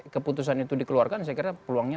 keputusan itu dikeluarkan saya kira peluangnya